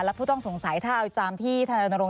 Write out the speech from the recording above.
แล้วผู้ต้องสงสัยถ้าอาจารย์ที่ธนรงค์